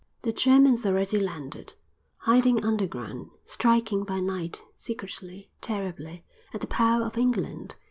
The Germans already landed, hiding underground, striking by night, secretly, terribly, at the power of England!